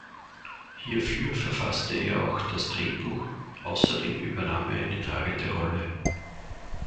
Hierfür verfasste er auch das Drehbuch, außerdem übernahm er eine tragende Rolle.